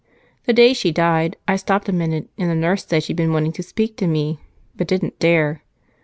The day she died I stopped a minute, and the nurse said she'd been wanting to speak to me but didn't dare.